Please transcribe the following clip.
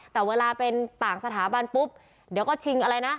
แต่เวลาเป็นต่างสถาบันปุ๊บเดี๋ยวก็ชิงอะไรนะ